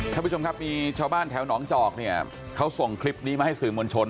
ท่านผู้ชมครับมีชาวบ้านแถวหนองจอกเนี่ยเขาส่งคลิปนี้มาให้สื่อมวลชน